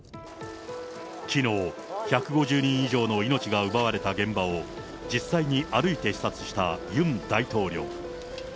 きのう、１５０人以上の命が奪われた現場を、実際に歩いて視察したユン大統領。